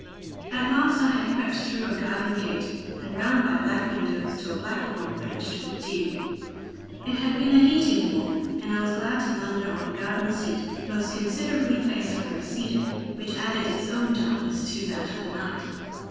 At last I had crept through a garden gate, and round by black windows to a black lawn drenched with dew. It had been a heating walk, and I was glad to blunder on a garden seat, most considerately placed under a cedar which added its own darkness to that of the night.